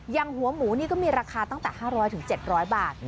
หัวหมูนี่ก็มีราคาตั้งแต่๕๐๐๗๐๐บาท